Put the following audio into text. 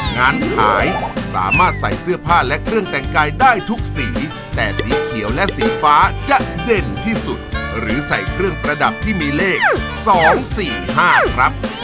งานราชการควรใส่เสื้อผ้าและเครื่องแต่งกายที่มีสีกากี่สีน้ำตาลสีส้มหรือใส่เครื่องประดับที่มีเลข๑๕และ๑๕๙ครับ